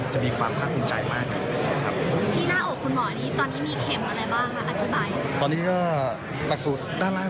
จะมีความภาคภูมิใจมาก